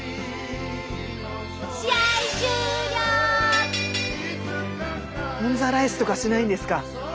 オンザライスとかしないんですか？